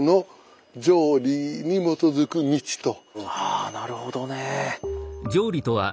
あなるほどね。